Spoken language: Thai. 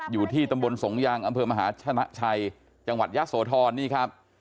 อยู่ที่ตำบลสงยางอำเภอมหาชนะชัยจังหวัดยะโสธรนี่ครับ